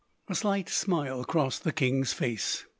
A slight smile crossed the king's face.